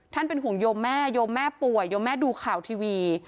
เป็นห่วงโยมแม่โยมแม่ป่วยโยมแม่ดูข่าวทีวี